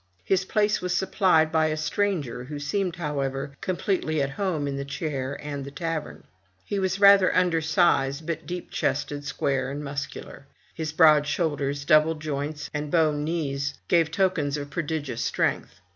His place was supplied by a stranger, who seemed, however, completely at home in the chair and the tavern. He was rather under size, but deep chested, square and muscular. His broad shoulders, double joints, and bow knees, gave tokens of prodigious strength.